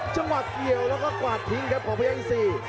จังหวะเกี่ยวแล้วก็กวาดทิ้งครับของพยากอินซี